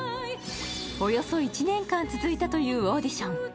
およそ１年間続いたというオーディション。